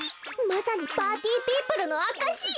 まさにパーティーピープルのあかし！